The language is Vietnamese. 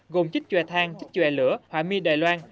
gồm chích choe thang chích choe lửa họa mi đài loan